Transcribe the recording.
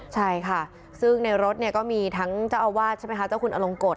ใช่ค่ะซึ่งในรถก็มีทั้งเจ้าอวัดเจ้าคุณอลงกฎ